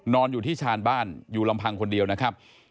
นอนอยู่ที่ชานบ้านอยู่ลำพังคนเดียวนะครับ